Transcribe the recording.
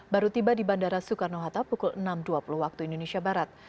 baru tiba di bandara soekarno hatta pukul enam dua puluh waktu indonesia barat